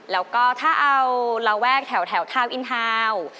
แล้วก็ถ้าเอาระแวกแถวทาวน์อินทาวน์